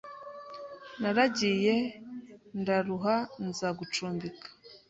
Naragiye ndaruha nza gucumbika